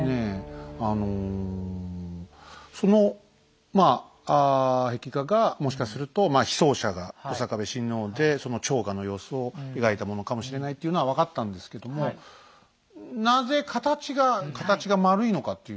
あのその壁画がもしかすると被葬者が刑部親王でその朝賀の様子を描いたものかもしれないというのは分かったんですけどもそうですね。